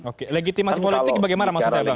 oke legitimasi politik bagaimana mas adi abang